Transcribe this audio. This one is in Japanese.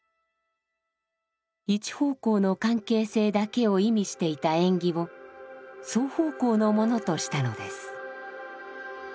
一方向の関係性だけを意味していた縁起を双方向のものとしたのです。